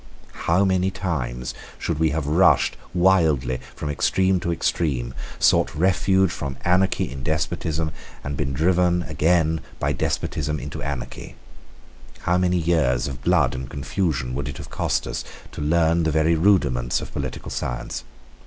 How many times should we have rushed wildly from extreme to extreme, sought refuge from anarchy in despotism, and been again driven by despotism into anarchy! How many years of blood and confusion would it have cost us to learn the very rudiments of political science!